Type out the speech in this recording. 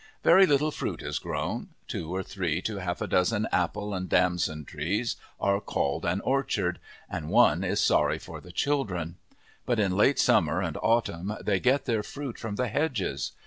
Very little fruit is grown; two or three to half a dozen apple and damson trees are called an orchard, and one is sorry for the children. But in late summer and autumn they get their fruit from the hedges.